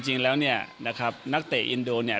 จริงแล้วเนี่ยนะครับนักเตะอินโดเนี่ย